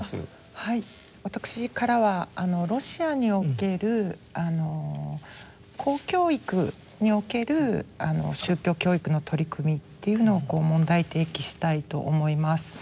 私からはロシアにおける公教育における宗教教育の取り組みっていうのを問題提起したいと思います。